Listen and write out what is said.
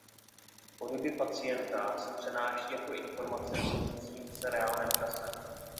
Pohyby pacienta se přenáší jako informace v měnícím se reálném čase.